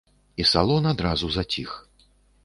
І салон адразу заціх.